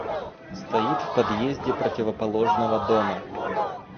Стоит в подъезде противоположного дома.